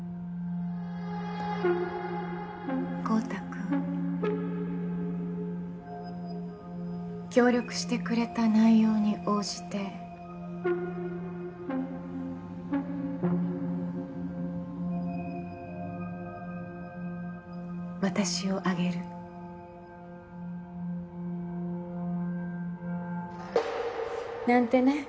昊汰君協力してくれた内容に応じて私をあげるなんてね。